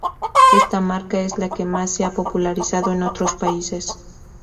Esta marca es la que más se ha popularizado en otros países.